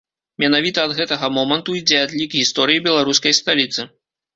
Менавіта ад гэтага моманту ідзе адлік гісторыі беларускай сталіцы.